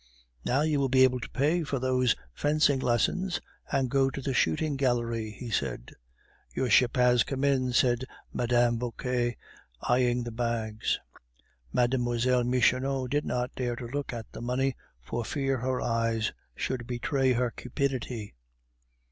"Now you will be able to pay for those fencing lessons and go to the shooting gallery," he said. "Your ship has come in," said Mme. Vauquer, eyeing the bags. Mlle. Michonneau did not dare to look at the money, for fear her eyes should betray her cupidity.